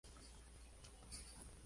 The elements.